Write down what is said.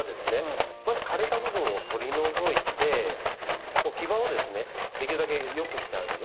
まず枯れた部分を取り除いて置き場をですねできるだけ良くしてあげる。